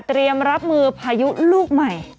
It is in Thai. เตรียมรับมือพายุลูกใหม่